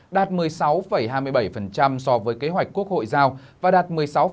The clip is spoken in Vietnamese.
đạt một mươi sáu hai mươi bảy so với kế hoạch quốc hội giao và đạt một mươi sáu chín mươi ba